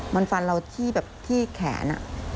มันฟันเราที่แบบที่แขน